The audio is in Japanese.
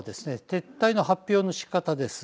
撤退の発表のしかたです。